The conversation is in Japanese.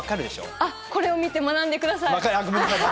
これを見て学んでください。